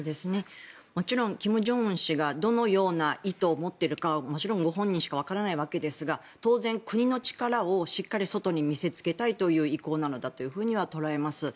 もちろん金正恩氏がどのような意図を持っているかはもちろんご本人しかわからないわけですが当然、国の力をしっかり外に見せつけたという意向なのだと捉えます。